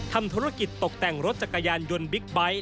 ทำธุรกิจตกแต่งรถจักรยานยนต์บิ๊กไบท์